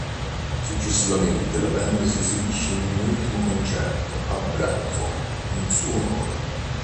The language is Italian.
Successivamente la band si esibisce in un ultimo concerto a Bradford in suo onore.